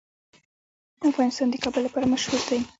افغانستان د کابل لپاره مشهور دی.